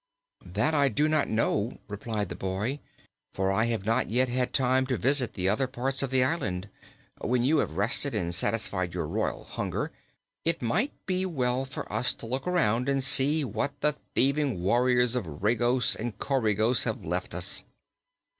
"That I do not know," replied the boy, "for I have not yet had time to visit the other parts of the island. When you have rested and satisfied your royal hunger, it might be well for us to look around and see what the thieving warriors of Regos and Coregos have left us."